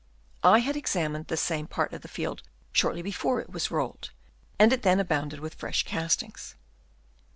I had examined the same part of the field shortly before it was rolled, and it then abounded with fresh castings.